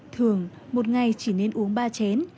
thường một ngày chỉ nên uống ba chén